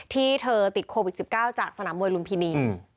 ที่เธอติดโควิด๑๙จากสนามมวยลุมพินี